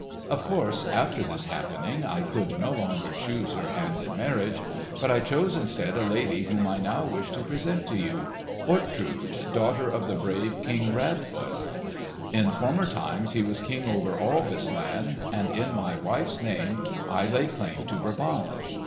"Of course, after this happening, I could no longer choose her hand in marriage. But I chose instead a lady whom I now wish to present to you—Ortrud, daughter of the brave King Radbod. In former times he was king over all this land; and in my wife's name I lay claim to Brabant."